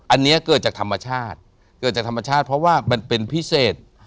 อันนี้เกิดจากธรรมชาติเกิดจากธรรมชาติเพราะว่ามันเป็นพิเศษ